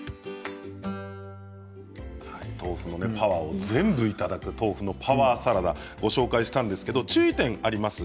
豆腐のパワーを全部いただく豆腐のパワーサラダご紹介しましたが注意点があります。